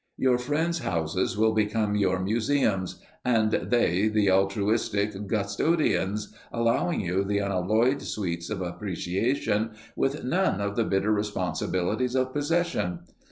Your friends' houses will become your museums, and they the altruistic custodians, allowing you the unalloyed sweets of appreciation with none of the bitter responsibilities of possession.